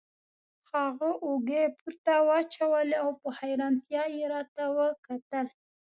هغه اوږې پورته واچولې او په حیرانتیا یې راته وکتل.